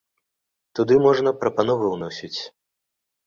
Туды можна прапановы ўносіць.